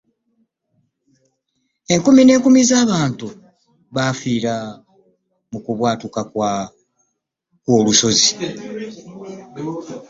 Enkumi ne nkumi z'abantu bafiira mu kubwatuka kwo lusozi.